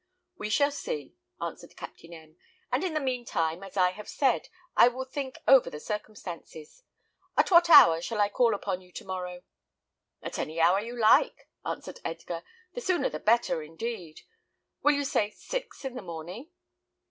"We shall see," answered Captain M ; "and in the mean time, as I have said, I will think over the circumstances. At what hour shall I call upon you tomorrow?" "At any hour you like," answered Edgar. "The sooner the better, indeed. Will you say six in the morning?"